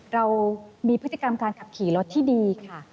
เรามีพฤติกรรมการขับขี่รถที่ดีค่ะ